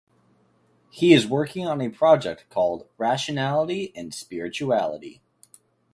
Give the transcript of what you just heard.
He is working on a project called "Rationality and Spirituality".